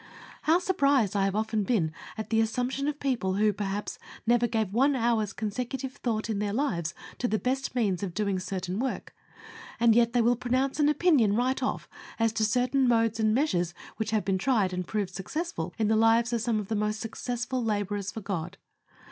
How surprised I have often been at the assumption of people who, perhaps, never gave one hour's consecutive thought in their lives to the best means of doing certain work, and yet they will pronounce an opinion right off as to certain modes and measures which have been tried and proved successful in the lives of some of the most successful laborers for God.